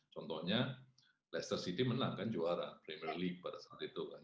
contohnya leicester city menang kan juara primier league pada saat itu kan